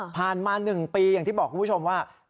ผ่านมา๑ปีอย่างที่บอกคุณผู้ชมว่า